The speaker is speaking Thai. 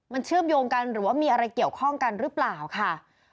มันเชื่อมโยงกันหรือว่ามีอะไรเกี่ยวข้องกันหรือเปล่าค่ะ